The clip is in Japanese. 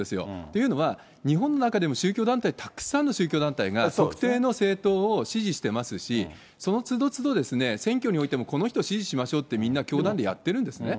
というのは、日本の中でも、宗教団体、たくさんの宗教団体が特定の政党を支持してますし、そのつどつど、選挙においても、この人を支持しましょうって、みんな教団でやってるんですね。